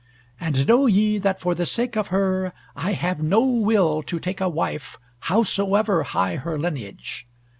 And know ye, that for the sake of her, I have no will to take a wife, howsoever high her lineage.